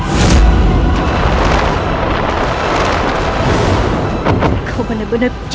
aku akan membuatmu mati